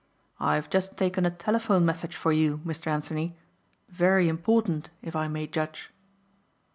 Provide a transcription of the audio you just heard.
"I've just taken a telephone message for you, Mr. Anthony, very important if I may judge."